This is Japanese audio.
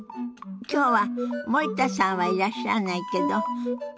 今日は森田さんはいらっしゃらないけど。